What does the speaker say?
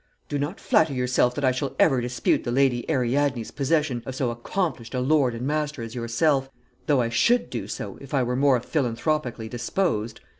Do not flatter yourself that I shall ever dispute the Lady Ariadne's possession of so accomplished a lord and master as yourself, though I should do so were I more philanthropically disposed.